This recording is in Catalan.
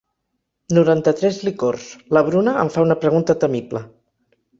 Noranta-tres licors, la Bruna em fa una pregunta temible.